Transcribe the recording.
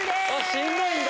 しんどいんだ！